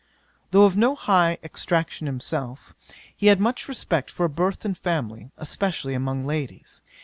'Though of no high extraction himself, he had much respect for birth and family, especially among ladies.